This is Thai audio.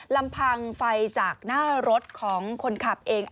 ลำพังไฟจากหน้ารถของคนขับเอง